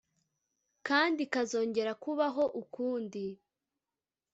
kandi ikazongera kubaho ukundi